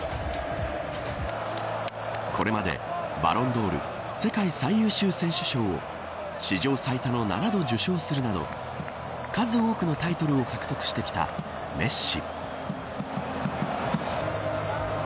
これまで、バロンドール世界最優秀選手賞を史上最多の７度受賞するなど数多くのタイトルを獲得してきたメッシ。